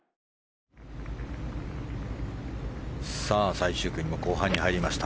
最終組も後半に入りました。